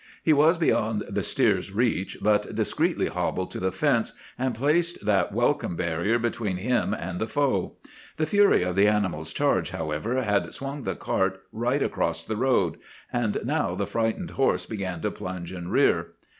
He was beyond the steer's reach, but discreetly hobbled to the fence, and placed that welcome barrier between him and the foe. The fury of the animal's charge, however, had swung the cart right across the road, and now the frightened horse began to plunge and rear.